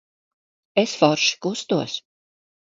Es forši kustos.